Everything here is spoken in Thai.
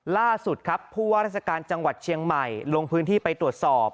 ล่าสุดครับผู้ว่าราชการจังหวัดเชียงใหม่ลงพื้นที่ไปตรวจสอบ